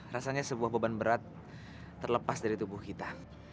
rasanya sebuah beban berat terlepas dari tubuh kita